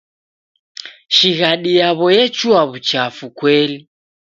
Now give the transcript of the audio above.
Shighadi yaw'o yechua w'uchafu kweli.